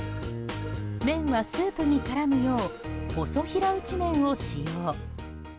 麺はスープに絡むよう細平打ち麺を使用。